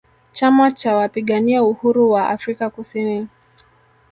Chama Cha Wapigania Uhuru Wa Afrika Kusini